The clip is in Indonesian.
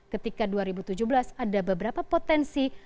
ketika dua ribu tujuh belas ada beberapa potensi